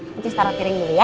kita taro piring dulu ya